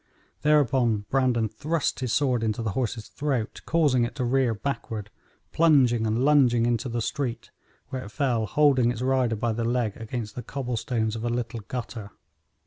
Thereupon Brandon thrust his sword into the horse's throat, causing it to rear backward, plunging and lunging into the street, where it fell, holding its rider by the leg against the cobble stones of a little gutter.